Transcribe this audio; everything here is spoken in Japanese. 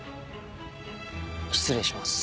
失礼します。